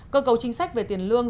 cơ cầu chính sách về tiền lương